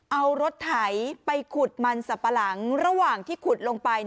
เอารถไถไปขุดมันสับปะหลังระหว่างที่ขุดลงไป